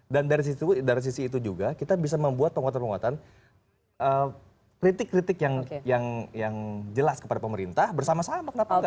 dan dari sisi itu juga kita bisa membuat penguatan penguatan kritik kritik yang jelas kepada pemerintah bersama sama kenapa enggak